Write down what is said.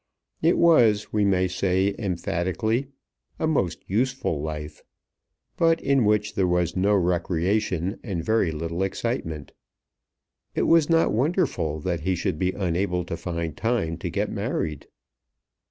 It was, we may say emphatically, a most useful life, but in which there was no recreation and very little excitement. It was not wonderful that he should be unable to find time to get married.